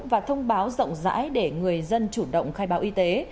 và thông báo rộng rãi để người dân chủ động khai báo y tế